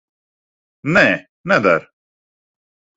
Nē, neder.